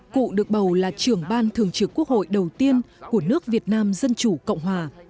cụ được bầu là trưởng ban thường trực quốc hội đầu tiên của nước việt nam dân chủ cộng hòa